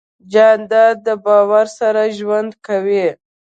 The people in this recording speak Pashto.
جانداد د باور سره ژوند کوي.